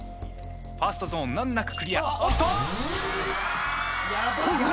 ファーストゾーン難なくクリア。